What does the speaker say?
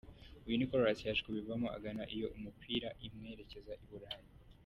Uyu Nicolas yaje kubivamo agana iyo gukina umupira imwerekeza i Burayi.